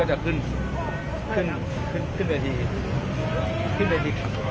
เอาไปส่งแน่นอน